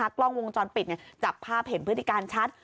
และกล้องวงจรปิดจับภาพเห็นเพื่อที่การชัด